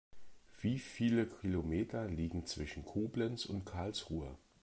Wie viele Kilometer liegen zwischen Koblenz und Karlsruhe?